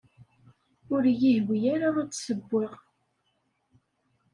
Ur iyi-yehwi ara ad d-ssewweɣ.